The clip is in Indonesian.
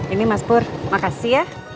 ini mas pur makasih ya